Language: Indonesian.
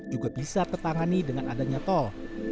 juga bisa tertangani dengan adanya tol